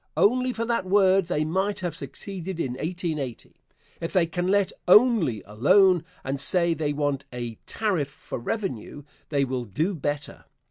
Only for that word they might have succeeded in 1880. If they can let "only" alone, and say they want "a tariff for revenue" they will do better.